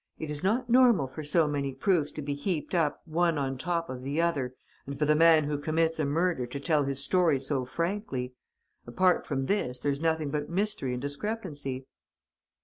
It is not normal for so many proofs to be heaped up one on top of the other and for the man who commits a murder to tell his story so frankly. Apart from this, there's nothing but mystery and discrepancy."